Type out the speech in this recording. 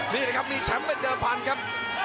นี่นะครับมีแชมป์เป็นเดิมพันธุ์ครับ